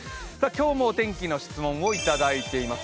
今日もお天気の質問をいただいています